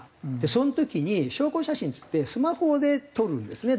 その時に証拠写真っつってスマホで撮るんですね